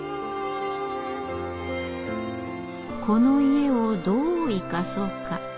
この家をどう生かそうか。